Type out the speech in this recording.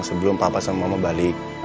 sebelum papa sama mama balik